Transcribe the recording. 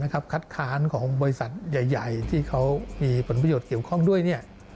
คัดค้านของบริษัทใหญ่ที่เขามีผลประโยชน์เกี่ยวข้องด้วย